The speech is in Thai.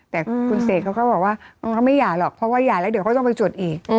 แต่คุณเสกเขาก็บอกว่าเขาไม่หย่าหรอกเพราะว่าหย่าแล้วเดี๋ยวเขาต้องไปจดอีก